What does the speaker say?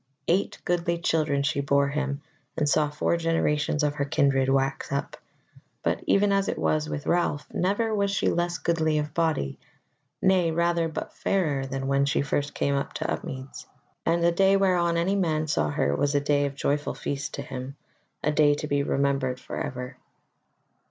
Eight goodly children she bore him, and saw four generations of her kindred wax up; but even as it was with Ralph, never was she less goodly of body, nay rather, but fairer than when first she came to Upmeads; and the day whereon any man saw her was a day of joyful feast to him, a day to be remembered for ever.